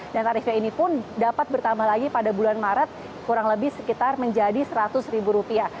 dan tarifnya ini pun dapat bertambah lagi pada bulan maret kurang lebih sekitar menjadi seratus rupiah